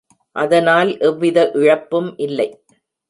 அதனால் எவ்வித இழப்பும் இல்லை.